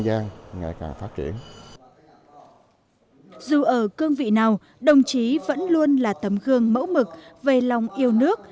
giang ngay càng phát triển dù ở cương vị nào đồng chí vẫn luôn là tấm gương mẫu mực về lòng yêu nước